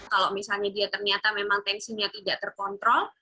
kalau misalnya dia ternyata memang tensinya tidak terkontrol